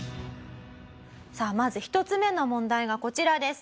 さあまず１つ目の問題がこちらです。